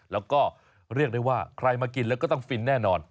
แล้วก็เรียกได้ว่าใครมากินแล้วก็ต้องฟินแน่นอน